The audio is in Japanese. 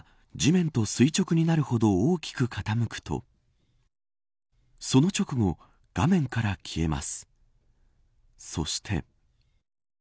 翼が地面と垂直になるほど大きく傾くとその直後、画面から消えます。